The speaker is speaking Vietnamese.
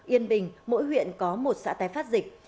yên bình mỗi huyện có một xã tái phát dịch